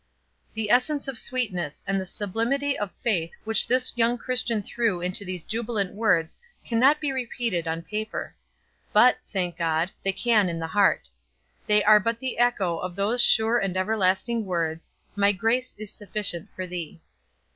'" The essence of sweetness and the sublimity of faith which this young Christian threw into these jubilant words can not be repeated on paper; but, thank God, they can in the heart they are but the echo of those sure and everlasting words: "My grace is sufficient for thee."